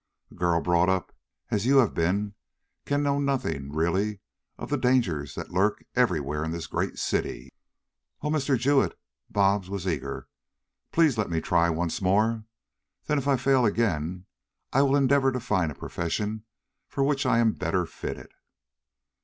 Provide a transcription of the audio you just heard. "A girl brought up as you have been can know nothing, really, of the dangers that lurk everywhere in this great city." "Oh, Mr. Jewett!" Bobs was eager, "please let me try just once more; then, if I fail again I will endeavor to find a profession for which I am better fitted."